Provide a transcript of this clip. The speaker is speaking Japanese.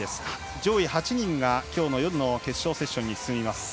上位８人が今日の夜の決勝セッションに進みます。